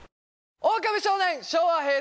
「オオカミ少年」昭和平成